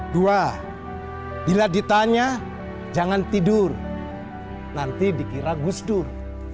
dua bila ditanya jangan tidur nanti dikira gusdur